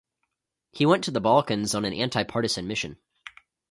He went to the Balkans on an anti-partisan mission.